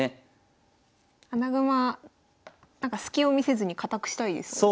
穴熊スキを見せずに堅くしたいですよね。